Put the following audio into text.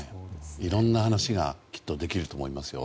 いろんな話がきっとできると思いますよ。